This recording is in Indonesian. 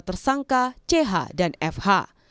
tersangka ch dan fh